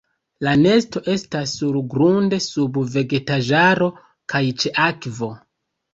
La nesto estas surgrunde sub vegetaĵaro kaj ĉe akvo.